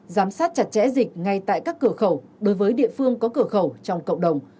giám sát chặt chẽ dịch ngay tại các cửa khẩu đối với địa phương có cửa khẩu trong cộng đồng